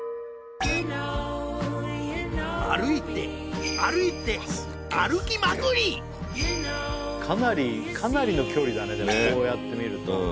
歩いて歩いて歩きまくりかなりの距離だねでもこうやって見ると。